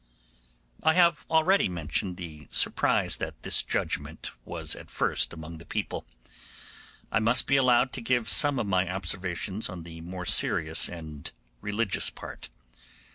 I have already mentioned the surprise that this judgement was at first among the people. I must be allowed to give some of my observations on the more serious and religious part.